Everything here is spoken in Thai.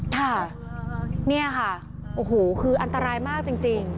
ค่ะนี่ค่ะอันตรายมากจริง